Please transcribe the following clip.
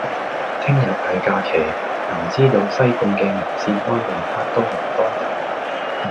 聽日係假期，唔知道西貢嘅銀線灣泳灘多唔多人？